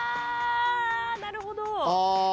なるほど！